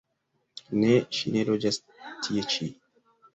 Ne, ŝi ne loĝas tie ĉi.